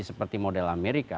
seperti model amerika